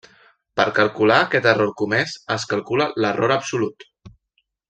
Per calcular aquest error comès, es calcula l'error absolut.